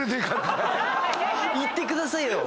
行ってくださいよ。